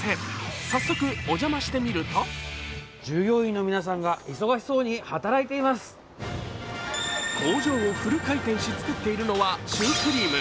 早速、お邪魔してみると工場をフル回転し、作っているのはシュークリーム。